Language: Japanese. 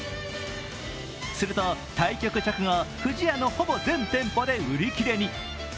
すると対局直後、不二家のほぼ全店舗で売り切れに。